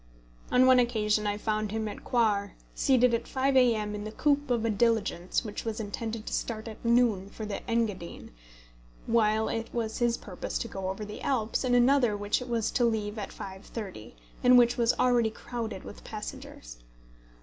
On one occasion I found him at Coire seated at 5 A.M. in the coupé of a diligence which was intended to start at noon for the Engadine, while it was his purpose to go over the Alps in another which was to leave at 5.30, and which was already crowded with passengers.